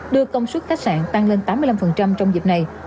đưa công suất khách sạn tăng lên tám mươi năm trong dịp này